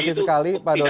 akademisnya lebih ada